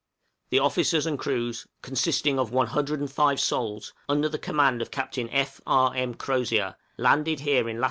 The officers and crews, consisting of 105 souls, under the command of Captain F. R. M. Crozier, landed here in lat.